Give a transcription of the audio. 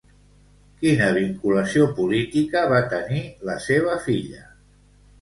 Quina vinculació política va tenir la seva filla?